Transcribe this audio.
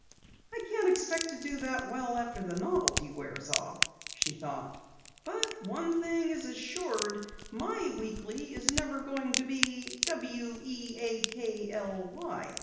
"I can't expect to do that well after the novelty wears off," she thought. "But one thing is assured. My Weekly isn't going to be weakly!"